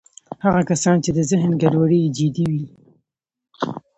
هغه کسان چې د ذهن ګډوډۍ یې جدي وي